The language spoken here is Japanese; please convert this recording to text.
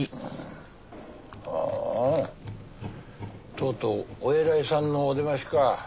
とうとうお偉いさんのお出ましか。